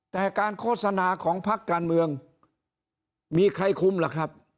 แต่การโฆษณาของพักการเมืองมีใครคุ้มล่ะครับ